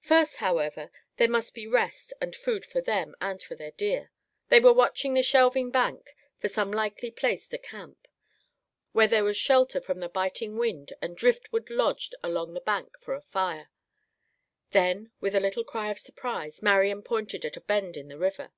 First, however, there must be rest and food for them and for their deer. They were watching the shelving bank for some likely place to camp, where there was shelter from the biting wind and driftwood lodged along the bank for a fire. Then, with a little cry of surprise, Marian pointed at a bend in the river.